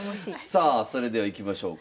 さあそれではいきましょうか。